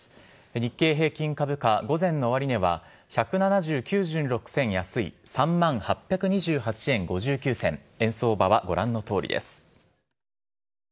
日経平均株価、午前の終値は、１７０円９６銭安い、３万８２８円５９銭、円相場はご覧のとおりです。